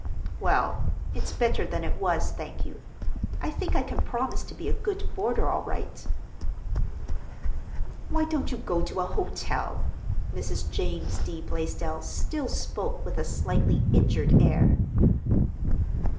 "Well, it's better than it was, thank you. I think I can promise to be a good boarder, all right." "Why don't you go to a hotel?" Mrs. James D. Blaisdell still spoke with a slightly injured air.